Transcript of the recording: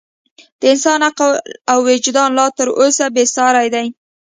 د انسان عقل او وجدان لا تر اوسه بې ساري دی.